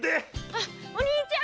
あっお兄ちゃん！